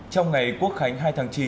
trong ngày quốc khánh hai tháng chín